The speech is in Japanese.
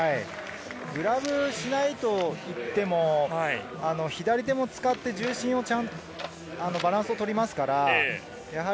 グラブしないといっても、左手も使って重心を、バランスを取りますから。